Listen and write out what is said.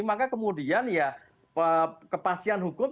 maka kemudian ya kepastian hukum